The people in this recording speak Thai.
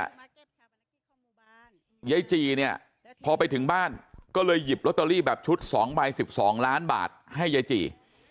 ยายจีเนี่ยพอไปถึงบ้านก็เลยหยิบลอตเตอรี่แบบชุด๒ใบ๑๒ล้านบาทให้ยายจี